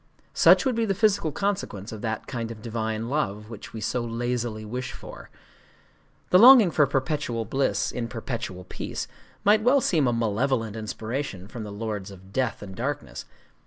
Such would be the physical consequence of that kind of divine love which we so lazily wish for. The longing for perpetual bliss in perpetual peace might well seem a malevolent inspiration from the Lords of Death and Darkness.